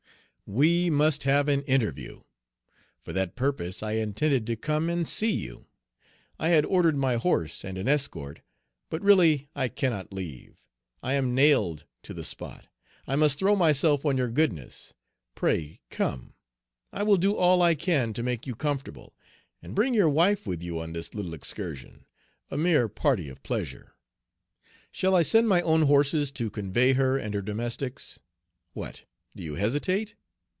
"We must have an interview. For that purpose I intended to come and see you. I had ordered my horse and an escort; but really I cannot leave; I am nailed to the spot. I must throw myself on your goodness; pray, come; I will do all I can to make you comfortable; and bring your wife with you on this little excursion, a mere party of pleasure. Shall I send my own horses to convey her and her domestics? What! do you hesitate?